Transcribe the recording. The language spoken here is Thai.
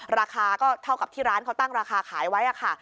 ราคาก็เท่ากับที่ร้านเขาตั้งราคาขายไว้ค่ะ